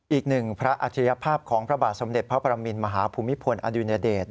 อีกหนึ่งพระอัจฉริยภาพของพระบาทสมเด็จพระปรมินมหาภูมิพลอดุญเดช